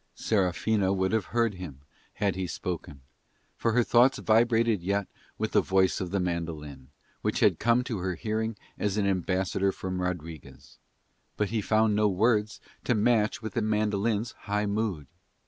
Serafina would have heard him had he spoken, for her thoughts vibrated yet with the voice of the mandolin, which had come to her hearing as an ambassador from Rodriguez, but he found no words to match with the mandolin's high mood.